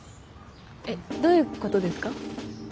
どういうことですか？